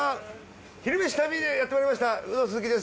「昼めし旅」でやってまいりましたウド鈴木です。